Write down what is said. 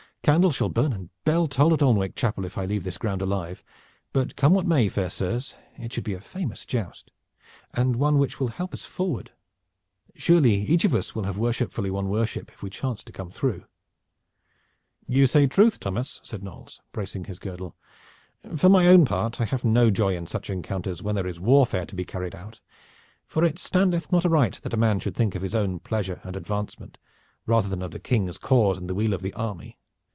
Candle shall burn and bell toll at Alnwick Chapel if I leave this ground alive, but come what may, fair sirs, it should be a famous joust and one which will help us forward. Surely each of us will have worshipfully won worship, if we chance to come through." "You say truth, Thomas," said Knolles, bracing his girdle. "For my own part I have no joy in such encounters when there is warfare to be carried out, for it standeth not aright that a man should think of his own pleasure and advancement rather than of the King's cause and the weal of the army.